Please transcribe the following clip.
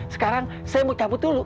sekarang saya mau cabut dulu